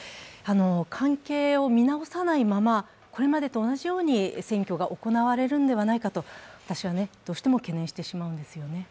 関係を見直さないままこれまでと同じように選挙が行われるのではないかと私はどうしても懸念してしまいます。